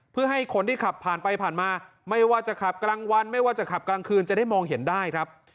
เพื่อให้คนที่ขับผ่านไปผ่านมาไม่ว่าจะขับกลางวันไม่ว่าจะขับกลางคืนจะได้มองเห็นได้ครับ